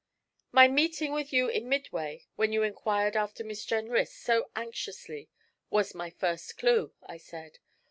'My meeting with you in Midway, when you inquired after Miss Jenrys so anxiously, was my first clue,' I said.